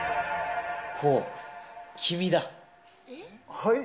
はい？